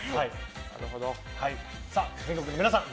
さあ全国の皆さん